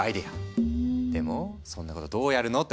でもそんなことどうやるの？って思うでしょ？